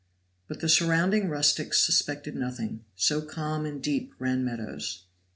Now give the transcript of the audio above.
But the surrounding rustics suspected nothing, so calm and deep ran Meadows.